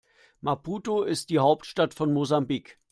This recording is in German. Maputo ist die Hauptstadt von Mosambik.